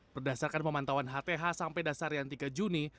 berdasarkan pemantauan hth sampai dasarian tiga juni